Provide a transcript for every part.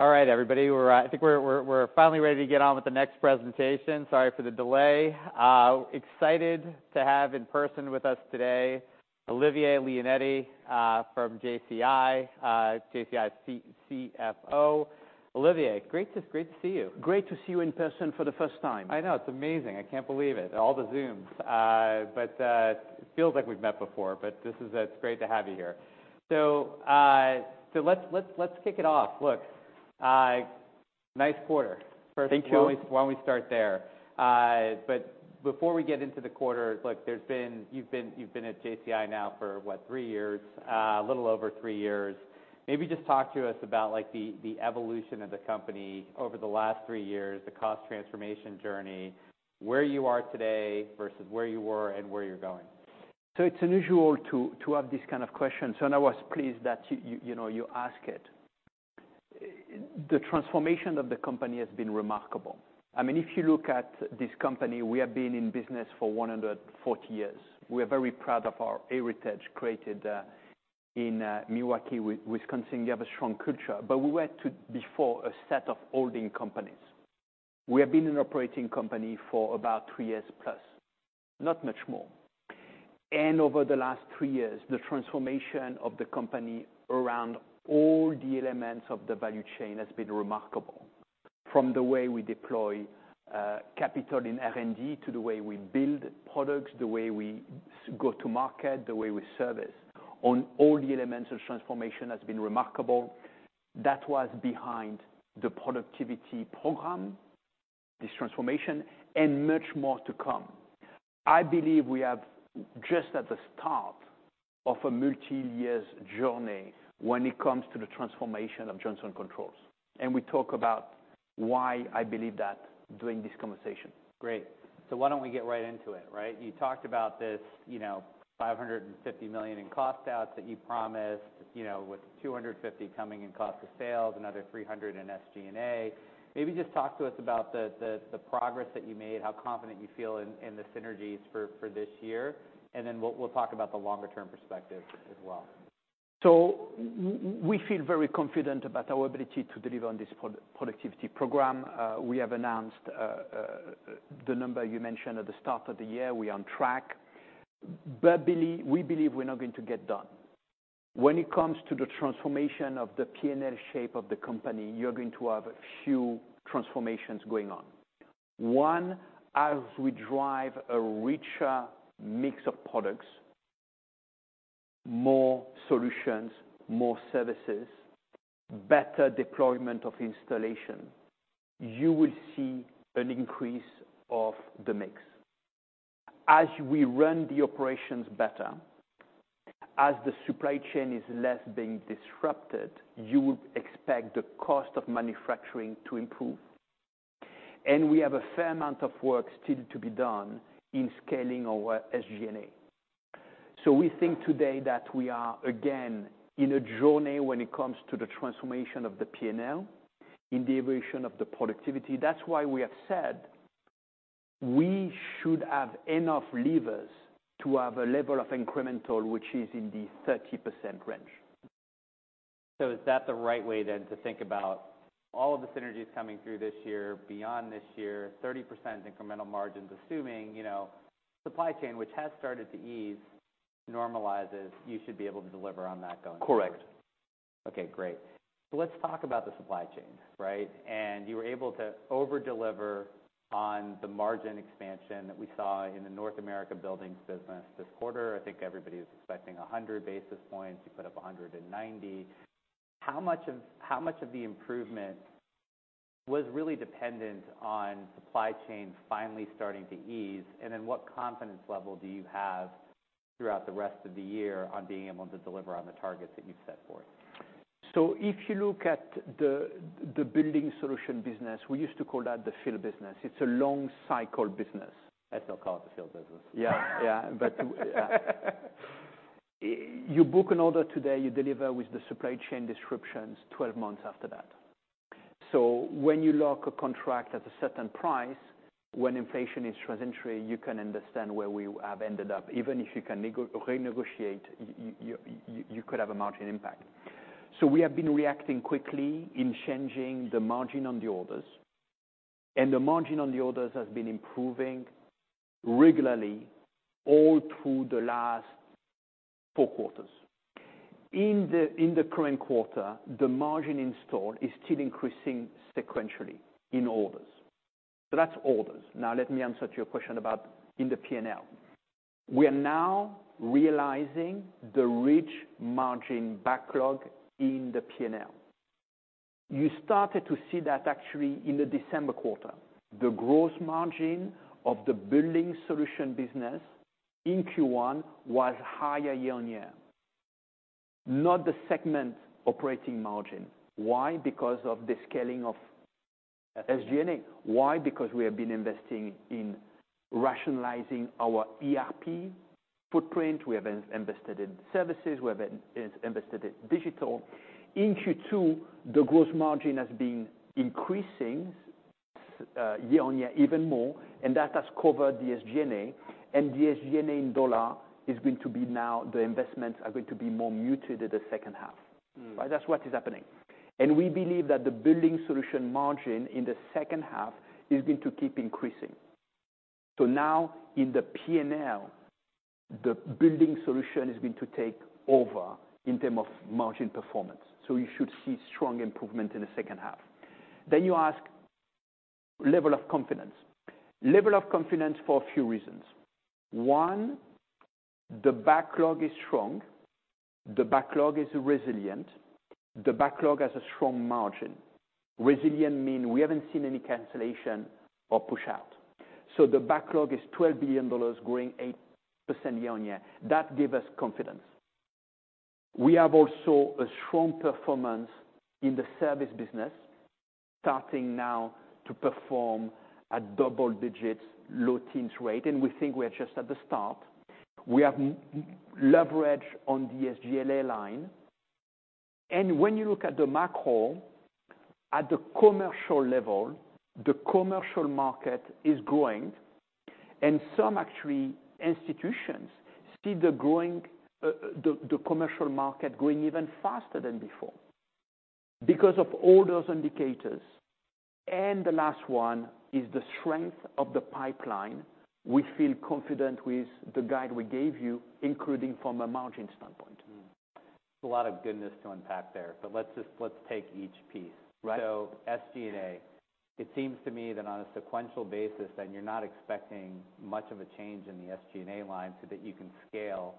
All right, everybody. We're, I think we're finally ready to get on with the next presentation. Sorry for the delay. Excited to have in person with us today, Olivier Leonetti, from JCI's C-CFO. Olivier, great to, great to see you. Great to see you in person for the first time. I know. It's amazing. I can't believe it, all the Zooms. It feels like we've met before, but this is. It's great to have you here. Let's kick it off. Look, nice quarter. Thank you. First, why don't we start there? Before we get into the quarter, look, there's been you've been at JCI now for what? three years, a little over three years. Maybe just talk to us about like the evolution of the company over the last three years, the cost transformation journey, where you are today versus where you were and where you're going. It's unusual to have this kind of question. I was pleased that you know, you ask it. The transformation of the company has been remarkable. I mean, if you look at this company, we have been in business for 140 years. We are very proud of our heritage created in Milwaukee, Wisconsin. We have a strong culture. We were before a set of holding companies. We have been an operating company for about three years+, not much more. Over the last three years, the transformation of the company around all the elements of the value chain has been remarkable. From the way we deploy capital in R&D to the way we build products, the way we go to market, the way we service. On all the elements of transformation has been remarkable. That was behind the productivity program, this transformation, and much more to come. I believe we have just at the start of a multi-years journey when it comes to the transformation of Johnson Controls. We talk about why I believe that during this conversation. Great. Why don't we get right into it, right? You talked about this, you know, $550 million in cost outs that you promised, you know, with $250 million coming in cost of sales, another $300 million in SG&A. Maybe just talk to us about the progress that you made, how confident you feel in the synergies for this year, and then we'll talk about the longer term perspective as well. We feel very confident about our ability to deliver on this productivity program. We have announced the number you mentioned at the start of the year, we're on track. We believe we're not going to get done. When it comes to the transformation of the P&L shape of the company, you're going to have a few transformations going on. One, as we drive a richer mix of products, more solutions, more services, better deployment of installation, you will see an increase of the mix. As we run the operations better, as the supply chain is less being disrupted, you would expect the cost of manufacturing to improve. We have a fair amount of work still to be done in scaling our SG&A. We think today that we are again in a journey when it comes to the transformation of the P&L, in the evolution of the productivity. That's why we have said we should have enough levers to have a level of incremental, which is in the 30% range. Is that the right way then to think about all of the synergies coming through this year, beyond this year, 30% incremental margins, assuming, you know, supply chain, which has started to ease, normalizes, you should be able to deliver on that going forward? Correct. Okay, great. Let's talk about the supply chain, right? You were able to over-deliver on the margin expansion that we saw in the North America buildings business this quarter. I think everybody was expecting 100 basis points. You put up 190. How much of the improvement was really dependent on supply chain finally starting to ease? What confidence level do you have throughout the rest of the year on being able to deliver on the targets that you've set forth? If you look at the Building Solutions business, we used to call that the field business. It's a long cycle business. I still call it the field business. Yeah. You book an order today, you deliver with the supply chain disruptions 12 months after that. When you lock a contract at a certain price, when inflation is transitory, you can understand where we have ended up. Even if you can renegotiate, you could have a margin impact. We have been reacting quickly in changing the margin on the orders, and the margin on the orders has been improving regularly all through the last four quarters. In the current quarter, the margin in store is still increasing sequentially in orders. That's orders. Now, let me answer to your question about in the P&L. We are now realizing the rich margin backlog in the P&L. You started to see that actually in the December quarter. The gross margin of the Building Solutions business in Q1 was higher year-on-year. Not the segment operating margin. Why? Because of the scaling of SG&A. Why? Because we have been investing in rationalizing our ERP footprint, we have invested in services, we have invested in digital. In Q2, the gross margin has been increasing year-on-year even more, and that has covered the SG&A and the SG&A in $ is going to be now the investments are going to be more muted in the second half. Mm. That's what is happening. We believe that the Building Solutions margin in the second half is going to keep increasing. Now in the P&L, the Building Solutions is going to take over in term of margin performance. You should see strong improvement in the second half. You ask level of confidence. Level of confidence for a few reasons. One, the backlog is strong, the backlog is resilient, the backlog has a strong margin. Resilient mean we haven't seen any cancellation or pushout. The backlog is $12 billion growing 8% year-on-year. That give us confidence. We have also a strong performance in the service business, starting now to perform at double-digits, low-teens rate, and we think we are just at the start. We have leverage on the SG&A line. When you look at the macro, at the commercial level, the commercial market is growing and some actually institutions see the growing, the commercial market growing even faster than before because of all those indicators. The last one is the strength of the pipeline. We feel confident with the guide we gave you, including from a margin standpoint. It's a lot of goodness to unpack there, but let's take each piece. Right. SG&A. It seems to me that on a sequential basis, then you're not expecting much of a change in the SG&A line so that you can scale.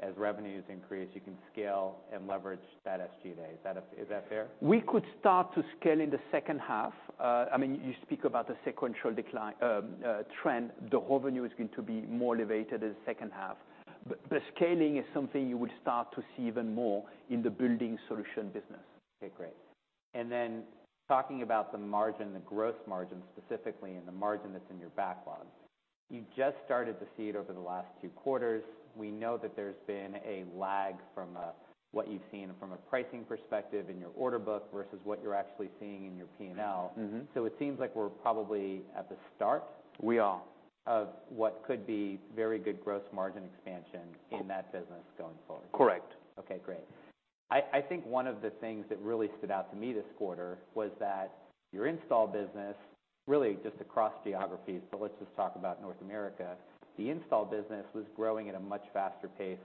As revenues increase, you can scale and leverage that SG&A. Is that fair? We could start to scale in the second half. I mean, you speak about the sequential decline, trend. The revenue is going to be more elevated in the second half. The scaling is something you would start to see even more in the Building Solutions business. Okay, great. Talking about the margin, the gross margin specifically, and the margin that's in your backlog, you just started to see it over the last two quarters. We know that there's been a lag from what you've seen from a pricing perspective in your order book versus what you're actually seeing in your P&L. Mm-hmm. It seems like we're probably at the start. We are... of what could be very good gross margin expansion in that business going forward. Correct. Okay, great. I think one of the things that really stood out to me this quarter was that your install business, really just across geographies, but let's just talk about North America. The install business was growing at a much faster pace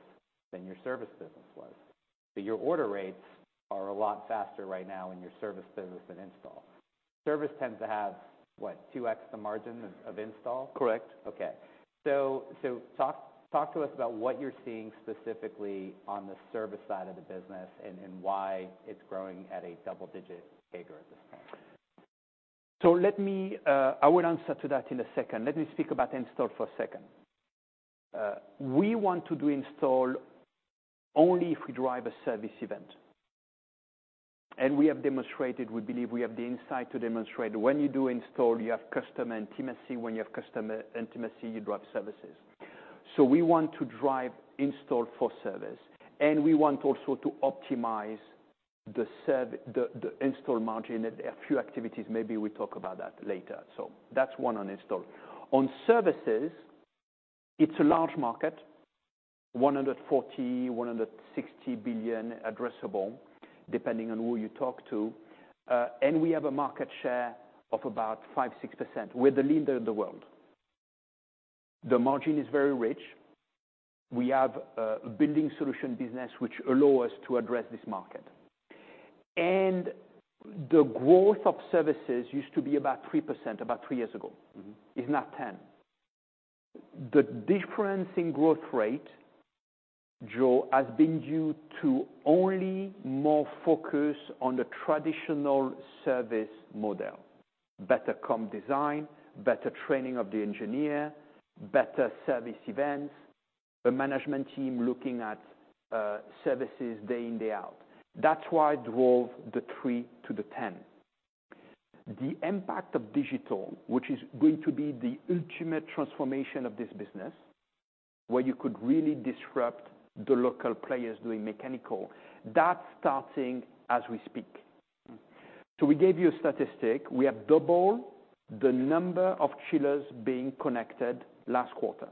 than your service business was. But your order rates are a lot faster right now in your service business than install. Service tends to have, what, 2x the margin of install? Correct. Okay. talk to us about what you're seeing specifically on the service side of the business and why it's growing at a double-digit figure at this point? Let me, I will answer to that in a second. Let me speak about install for a second. We want to do install only if we drive a service event. We have demonstrated, we believe we have the insight to demonstrate when you do install, you have customer intimacy. When you have customer intimacy, you drive services. We want to drive install for service, and we want also to optimize the install margin. A few activities, maybe we talk about that later. That's one on install. On services, it's a large market, $140 billion-$160 billion addressable, depending on who you talk to. We have a market share of about 5%-6%. We're the leader of the world. The margin is very rich. We have a Building Solutions business which allow us to address this market. The growth of services used to be about 3% about three years ago. Mm-hmm. It's now 10. The difference in growth rate, Joe, has been due to only more focus on the traditional service model. Better comm design, better training of the engineer, better service events, the management team looking at services day in, day out. That's why it drove the 3 to the 10. The impact of digital, which is going to be the ultimate transformation of this business, where you could really disrupt the local players doing mechanical, that's starting as we speak. Mm. We gave you a statistic. We have double the number of chillers being connected last quarter.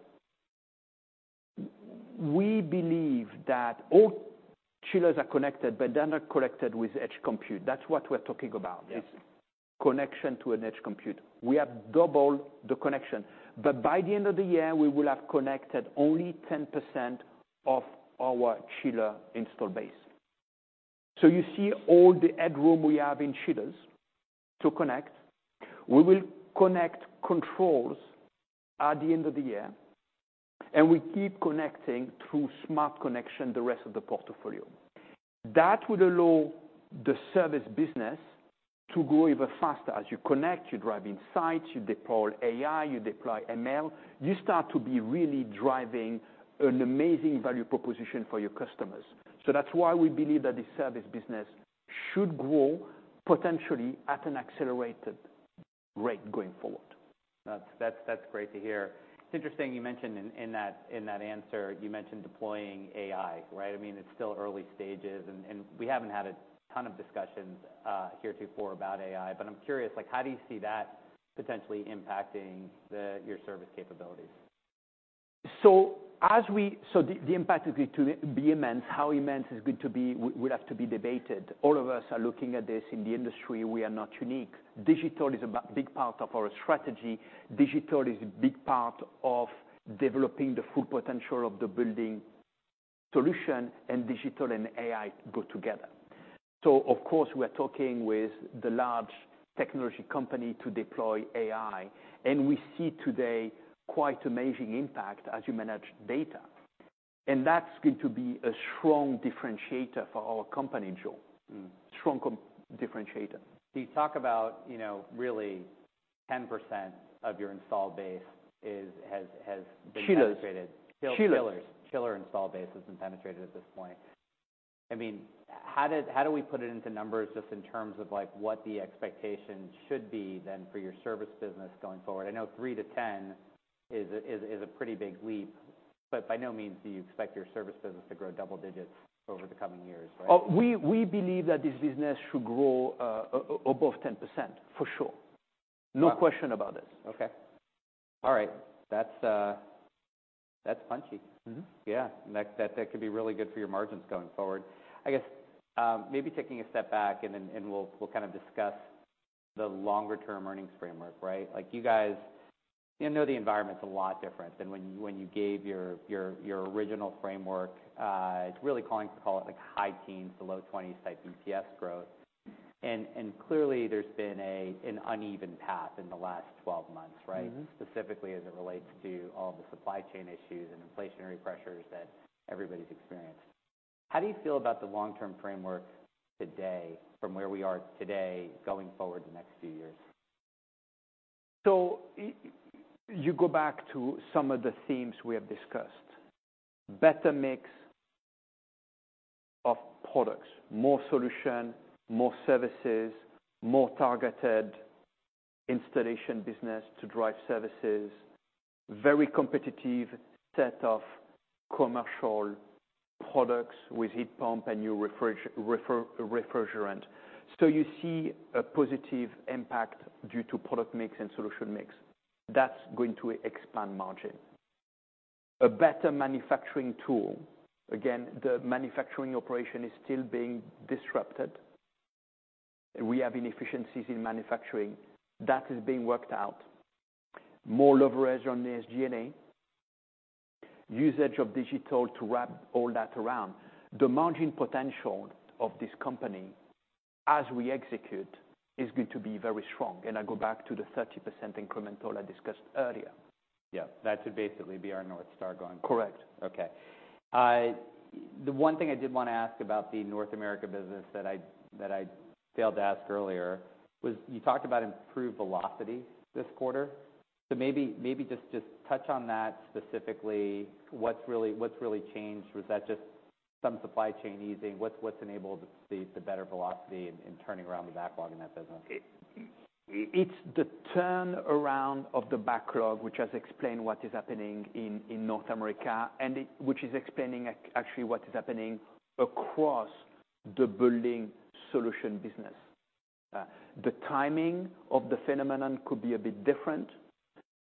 We believe that all chillers are connected, but they're not connected with edge compute. That's what we're talking about. Yes... is connection to an edge compute. We have doubled the connection. By the end of the year, we will have connected only 10% of our chiller install base. You see all the headroom we have in chillers to connect. We will connect controls at the end of the year, and we keep connecting through smart connection, the rest of the portfolio. That would allow the service business to grow even faster. As you connect, you drive insights, you deploy AI, you deploy ML. You start to be really driving an amazing value proposition for your customers. That's why we believe that the service business should grow potentially at an accelerated rate going forward. That's great to hear. It's interesting you mentioned in that answer, you mentioned deploying AI, right? I mean, it's still early stages and we haven't had a ton of discussions heretofore about AI, but I'm curious, like, how do you see that potentially impacting your service capabilities? The impact is going to be immense. How immense it's going to be would have to be debated. All of us are looking at this in the industry. We are not unique. Digital is a big part of our strategy. Digital is a big part of developing the full potential of the Building Solutions, and digital and AI go together. Of course, we're talking with the large technology company to deploy AI, and we see today quite amazing impact as you manage data. That's going to be a strong differentiator for our company, Joe. Mm-hmm. Strong differentiator. You talk about, you know, really 10% of your installed base is, has been penetrated. Chillers. Chillers. Chiller installed base has been penetrated at this point. I mean, how do we put it into numbers just in terms of, like, what the expectation should be then for your service business going forward? I know 3%-10% is a pretty big leap, but by no means do you expect your service business to grow double digits over the coming years, right? We believe that this business should grow, above 10%, for sure. Wow. No question about it. Okay. All right. That's punchy. Mm-hmm. Yeah. That could be really good for your margins going forward. I guess, maybe taking a step back and we'll kind of discuss the longer-term earnings framework, right? Like, you guys, you know the environment's a lot different than when you gave your original framework. It's really calling to call it like high teens to low 20s type BTS growth. Clearly there's been an uneven path in the last 12 months, right? Mm-hmm. Specifically as it relates to all the supply chain issues and inflationary pressures that everybody's experienced. How do you feel about the long-term framework today, from where we are today going forward the next few years? You go back to some of the themes we have discussed. Better mix of products, more solution, more services, more targeted installation business to drive services. Very competitive set of commercial products with heat pump and new refrigerant. You see a positive impact due to product mix and solution mix. That's going to expand margin. A better manufacturing tool. Again, the manufacturing operation is still being disrupted. We have inefficiencies in manufacturing. That is being worked out. More leverage on the SG&A. Usage of digital to wrap all that around. The margin potential of this company, as we execute, is going to be very strong. I go back to the 30% incremental I discussed earlier. Yeah. That should basically be our North Star going forward. Correct. The one thing I did wanna ask about the North America business that I failed to ask earlier was, you talked about improved velocity this quarter. Maybe just touch on that specifically. What's really changed? Was that just some supply chain easing? What's enabled the better velocity in turning around the backlog in that business? It's the turnaround of the backlog, which has explained what is happening in North America, which is explaining actually what is happening across the Building Solutions business. The timing of the phenomenon could be a bit different.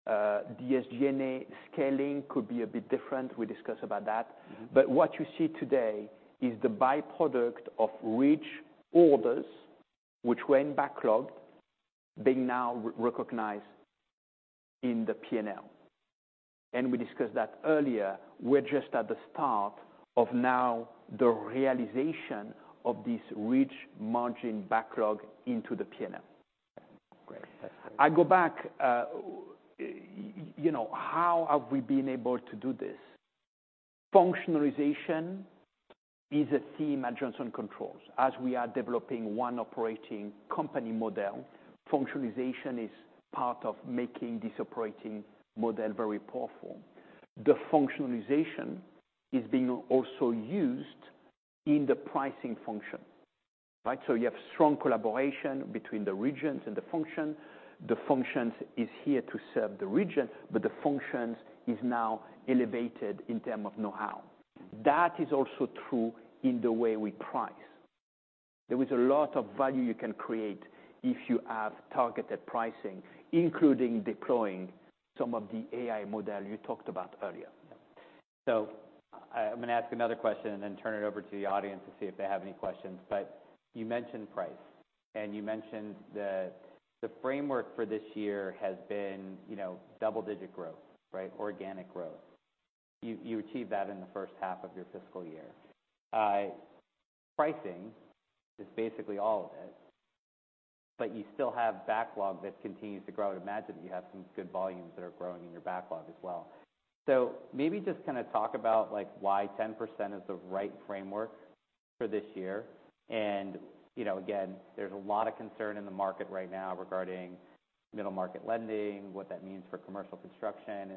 The SG&A scaling could be a bit different. We discussed about that. Mm-hmm. What you see today is the byproduct of rich orders, which went backlogged, being now recognized in the P&L. We discussed that earlier. We're just at the start of now the realization of this rich margin backlog into the P&L. Okay, great. That's great. I go back, you know, how have we been able to do this? Functionalization is a theme at Johnson Controls. As we are developing one operating company model, functionalization is part of making this operating model very powerful. The functionalization is being also used in the pricing function, right? You have strong collaboration between the regions and the function. The functions is here to serve the region, but the functions is now elevated in term of know-how. That is also true in the way we price. There is a lot of value you can create if you have targeted pricing, including deploying some of the AI model you talked about earlier. I'm going to ask another question and then turn it over to the audience to see if they have any questions. You mentioned price, and you mentioned the framework for this year has been, you know, double-digit growth, right? Organic growth. You achieved that in the first half of your fiscal year. Pricing is basically all of it, but you still have backlog that continues to grow. I would imagine you have some good volumes that are growing in your backlog as well. Maybe just kind of talk about, like, why 10% is the right framework for this year. You know, again, there's a lot of concern in the market right now regarding middle market lending, what that means for commercial construction.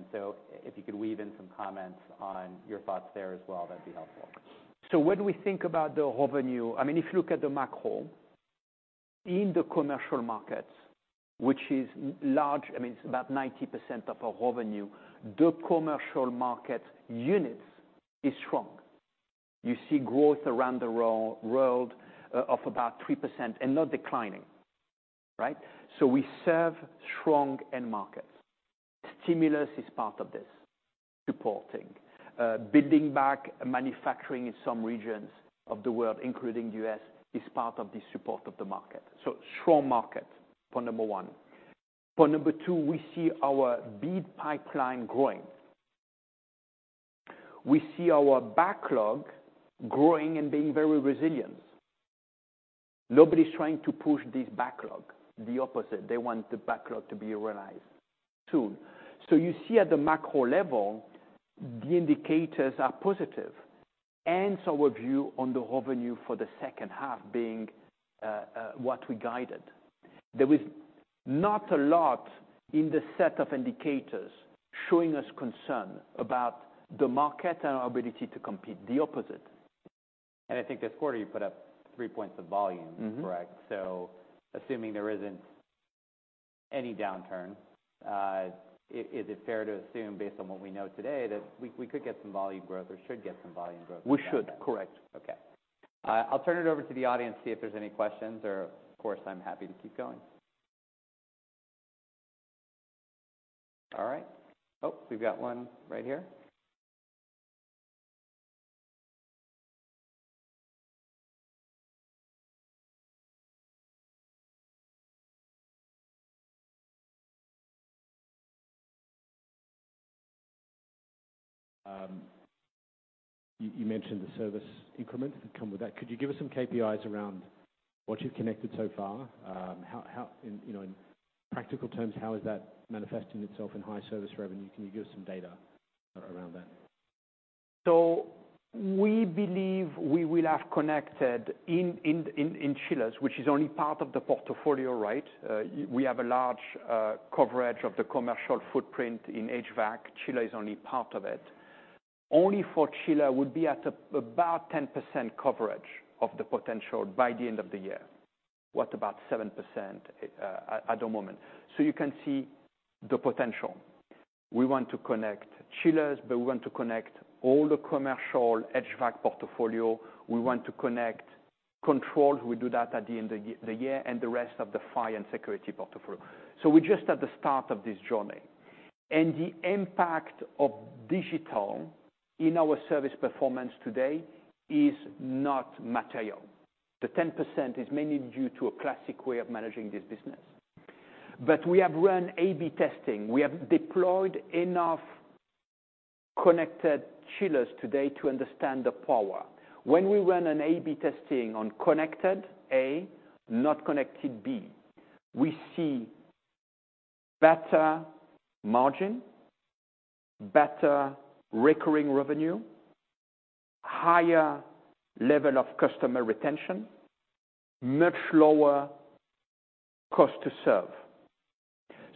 If you could weave in some comments on your thoughts there as well, that would be helpful. When we think about the revenue, I mean, if you look at the macro, in the commercial markets, which is large, I mean, it's about 90% of our revenue. The commercial market units is strong. You see growth around the world of about 3% and not declining, right? We serve strong end markets. Stimulus is part of this supporting. Building back manufacturing in some regions of the world, including U.S., is part of the support of the market. Strong market, point number one. Point number two, we see our bid pipeline growing. We see our backlog growing and being very resilient. Nobody's trying to push this backlog. The opposite. They want the backlog to be realized soon. You see at the macro level, the indicators are positive, and so a view on the revenue for the second half being what we guided. There is not a lot in the set of indicators showing us concern about the market and our ability to compete, the opposite. I think this quarter you put up 3 points of volume. Mm-hmm. Correct. Assuming there isn't any downturn, is it fair to assume, based on what we know today, that we could get some volume growth or should get some volume growth? We should, correct. Okay. I'll turn it over to the audience, see if there's any questions, or of course, I'm happy to keep going. All right. We've got one right here. You mentioned the service increments that come with that. Could you give us some KPIs around what you've connected so far? How, and you know, in practical terms, how is that manifesting itself in high service revenue? Can you give us some data around that? We believe we will have connected in chillers, which is only part of the portfolio, right? We have a large coverage of the commercial footprint in HVAC. Chiller is only part of it. Only for chiller would be about 10% coverage of the potential by the end of the year. About 7% at the moment. You can see the potential. We want to connect chillers, but we want to connect all the commercial HVAC portfolio. We want to connect control. We do that at the end of the year and the rest of the fire and security portfolio. We're just at the start of this journey. The impact of digital in our service performance today is not material. The 10% is mainly due to a classic way of managing this business. We have run A/B testing. We have deployed enough connected chillers today to understand the power. When we run an A/B testing on connected A, not connected B, we see better margin, better recurring revenue, higher level of customer retention, much lower cost to serve.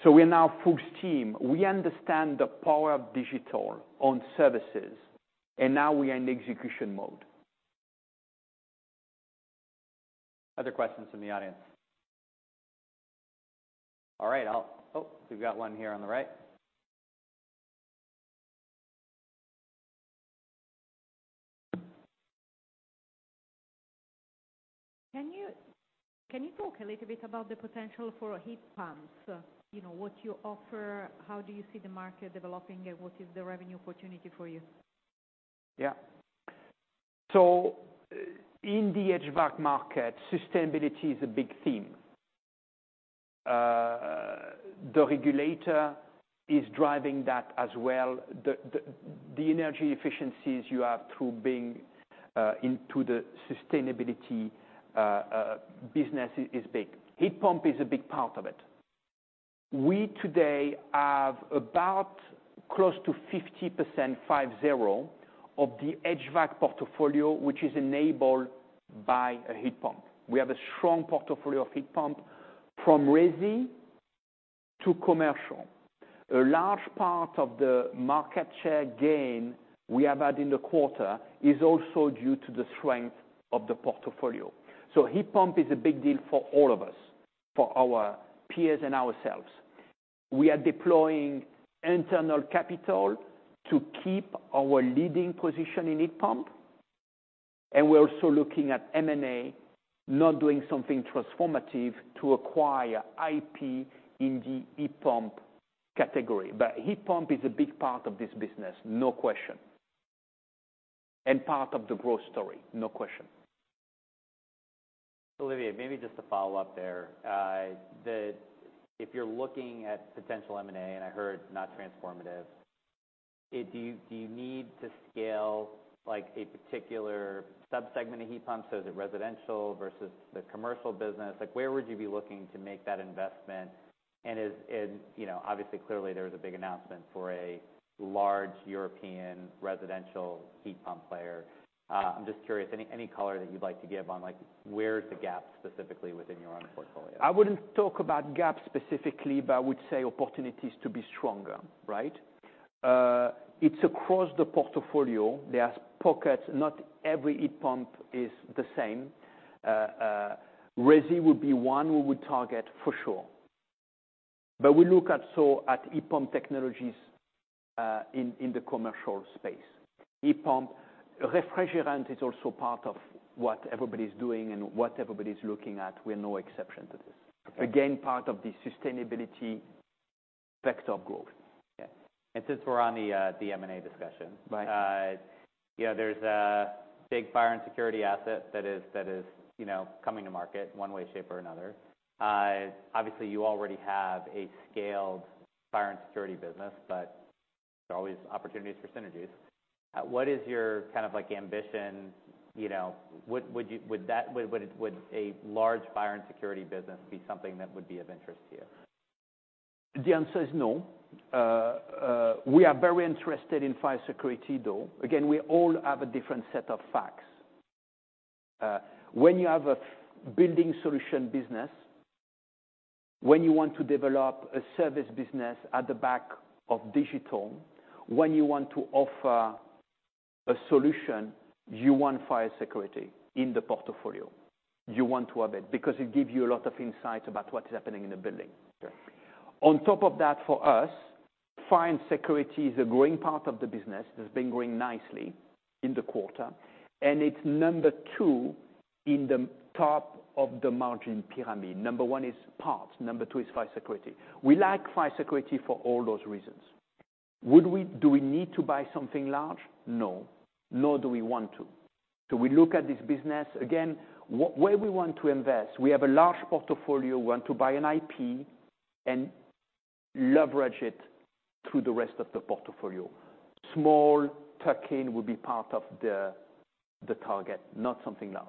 We're now full steam. We understand the power of digital on services, and now we are in execution mode. Other questions from the audience? All right. Oh, we've got one here on the right. Can you talk a little bit about the potential for heat pumps? You know, what you offer, how do you see the market developing and what is the revenue opportunity for you? Yeah. In the HVAC market, sustainability is a big theme. The regulator is driving that as well. The energy efficiencies you have through being into the sustainability business is big. Heat pump is a big part of it. We today have about close to 50% of the HVAC portfolio, which is enabled by a heat pump. We have a strong portfolio of heat pump from resi to commercial. A large part of the market share gain we have had in the quarter is also due to the strength of the portfolio. Heat pump is a big deal for all of us, for our peers and ourselves. We are deploying internal capital to keep our leading position in heat pump, and we're also looking at M&A, not doing something transformative to acquire IP in the e-pump category. Heat pump is a big part of this business, no question, and part of the growth story, no question. Olivier, maybe just to follow up there. If you're looking at potential M&A, and I heard not transformative, do you need to scale like a particular subsegment of heat pumps? Is it residential versus the commercial business? Like, where would you be looking to make that investment? You know, obviously, clearly, there was a big announcement for a large European residential heat pump player. I'm just curious, any color that you'd like to give on, like, where is the gap specifically within your own portfolio? I wouldn't talk about gaps specifically, but I would say opportunities to be stronger, right? It's across the portfolio. There are pockets. Not every heat pump is the same. resi would be one we would target for sure. We look at heat pump technologies in the commercial space. Refrigerant is also part of what everybody's doing and what everybody's looking at, we're no exception to this. Okay. Again, part of the sustainability vector of growth. Yeah. Since we're on the M&A discussion. Right. You know, there's a big fire and security asset that is, you know, coming to market one way, shape, or another. obviously, you already have a scaled fire and security business, but there's always opportunities for synergies. what is your kind of like ambition? You know, would you would a large fire and security business be something that would be of interest to you? The answer is no. We are very interested in fire security, though. We all have a different set of facts. When you have a Building Solutions business, when you want to develop a service business at the back of digital, when you want to offer a solution, you want fire security in the portfolio. You want to have it because it gives you a lot of insight about what is happening in the building. Sure. On top of that, for us, fire and security is a growing part of the business. It's been growing nicely in the quarter. It's number two in the top of the margin pyramid. Number one is parts, number two is fire security. We like fire security for all those reasons. Do we need to buy something large? No. Nor do we want to. Do we look at this business? Again, where we want to invest, we have a large portfolio, we want to buy an IP and leverage it through the rest of the portfolio. Small tuck-in will be part of the target, not something large.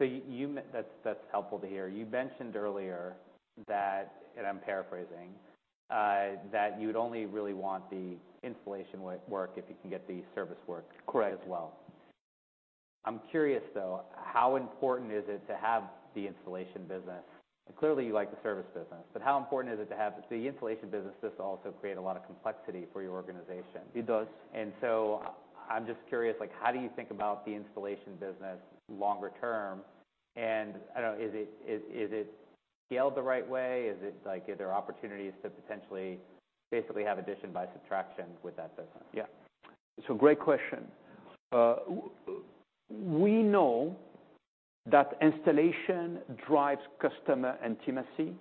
That's helpful to hear. You mentioned earlier that, and I'm paraphrasing, that you'd only really want the installation work if you can get the service work. Correct. as well. I'm curious, though, how important is it to have the installation business? Clearly, you like the service business, but how important is it to have the installation business? This will also create a lot of complexity for your organization. It does. I'm just curious, like, how do you think about the installation business longer term? I know, is it scaled the right way? Is it like, are there opportunities to potentially basically have addition by subtraction with that business? Yeah. It's a great question. We know that installation drives customer intimacy.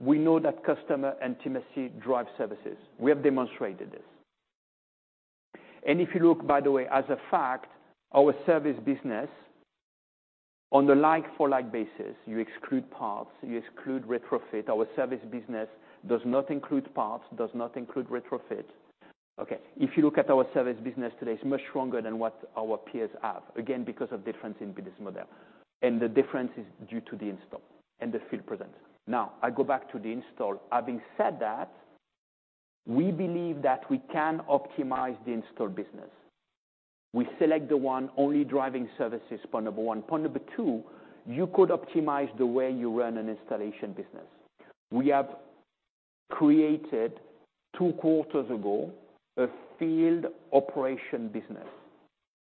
We know that customer intimacy drives services. We have demonstrated this. If you look, by the way, as a fact, our service business on the like-for-like basis, you exclude parts, you exclude retrofit. Our service business does not include parts, does not include retrofit. Okay. If you look at our service business today, it's much stronger than what our peers have, again, because of difference in business model, and the difference is due to the install and the field presence. I go back to the install. Having said that, we believe that we can optimize the install business. We select the one only driving services, point number one. Point number two, you could optimize the way you run an installation business. We have created, two quarters ago, a field operation business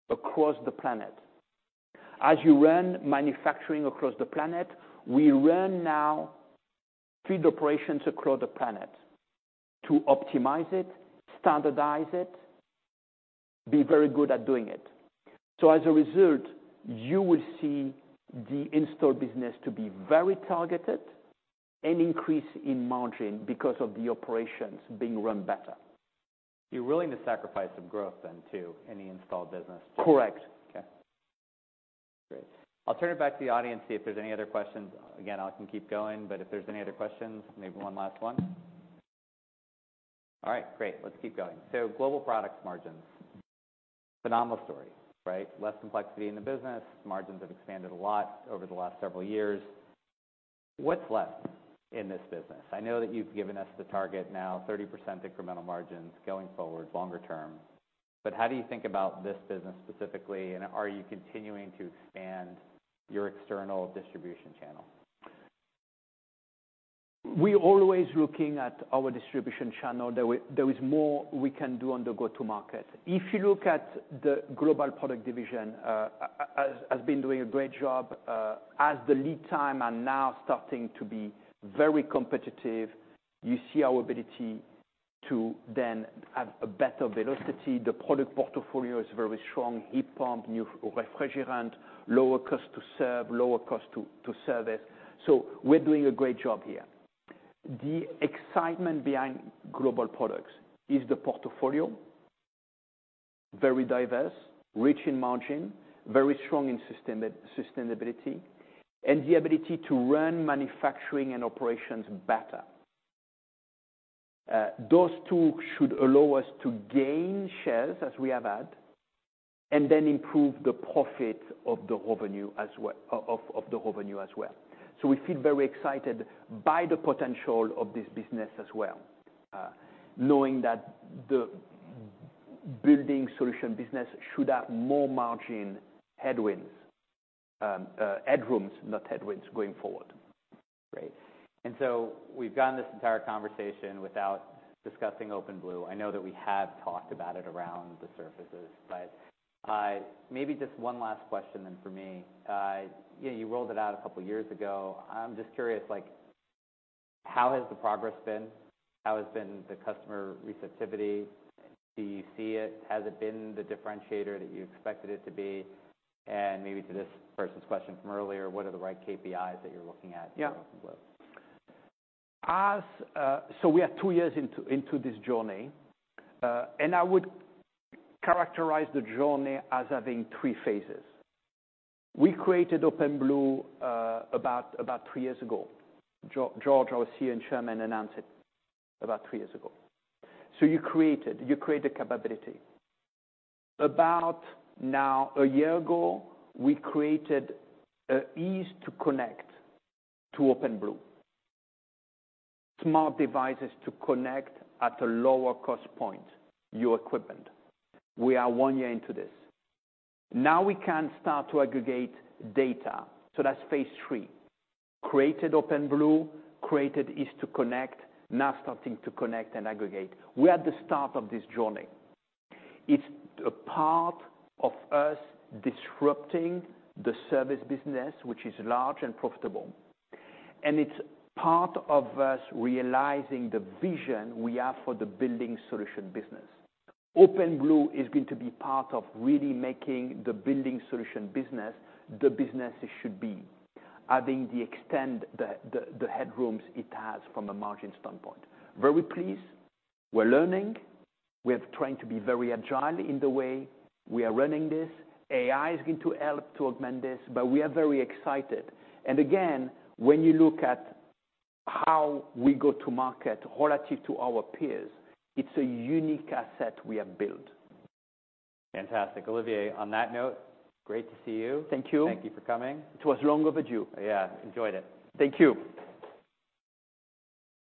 across the planet. As you run manufacturing across the planet, we run now field operations across the planet to optimize it, standardize it, be very good at doing it. As a result, you will see the install business to be very targeted and increase in margin because of the operations being run better. You're willing to sacrifice some growth then, too, in the install business. Correct. Okay. Great. I'll turn it back to the audience, see if there's any other questions. Again, I can keep going, but if there's any other questions, maybe one last one. All right, great. Let's keep going. Global Products margins, phenomenal story, right? Less complexity in the business. Margins have expanded a lot over the last several years. What's left in this business? I know that you've given us the target now, 30% incremental margins going forward longer term. How do you think about this business specifically, and are you continuing to expand your external distribution channel? We're always looking at our distribution channel. There is more we can do on the go-to-market. If you look at the Global Products division has been doing a great job. As the lead time are now starting to be very competitive, you see our ability to then have a better velocity. The product portfolio is very strong. Heat pump, new refrigerant, lower cost to serve, lower cost to service. We're doing a great job here. The excitement behind Global Products is the portfolio. Very diverse, rich in margin, very strong in sustainability, the ability to run manufacturing and operations better. Those two should allow us to gain shares, as we have had, then improve the profit of the revenue as well. We feel very excited by the potential of this business as well, knowing that the Building Solutions business should have more margin headwinds. headrooms, not headwinds going forward. Great. We've gotten this entire conversation without discussing OpenBlue. I know that we have talked about it around the surfaces, but maybe just one last question then from me. Yeah, you rolled it out a couple years ago. I'm just curious, like, how has the progress been? How has been the customer receptivity? Do you see it? Has it been the differentiator that you expected it to be? Maybe to this person's question from earlier, what are the right KPIs that you're looking at? Yeah... for OpenBlue? We are two years into this journey, and I would characterize the journey as having 3 Phases. We created OpenBlue about three years ago. George, our CEO and Chairman, announced it about three years ago. You create it, you create a capability. About now one year ago, we created ease to connect to OpenBlue. Smart devices to connect at a lower cost point, your equipment. We are one year into this. Now we can start to aggregate data. That's Phase 3. Created OpenBlue, created ease to connect, now starting to connect and aggregate. We're at the start of this journey. It's a part of us disrupting the service business, which is large and profitable. It's part of us realizing the vision we have for the Building Solutions business. OpenBlue is going to be part of really making the Building Solutions business the business it should be, adding the extent the headrooms it has from a margin standpoint. Very pleased. We're learning. We're trying to be very agile in the way we are running this. AI is going to help to augment this, but we are very excited. Again, when you look at how we go to market relative to our peers, it's a unique asset we have built. Fantastic. Olivier, on that note, great to see you. Thank you. Thank you for coming. It was long overdue. Yeah. Enjoyed it. Thank you.